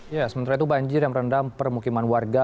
ya sementara itu banjir yang merendam permukiman warga